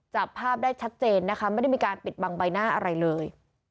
จับภาพได้ชัดเจนนะคะไม่ได้มีการปิดบังใบหน้าอะไรเลย